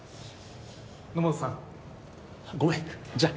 ・野本さん・ごめんじゃあ。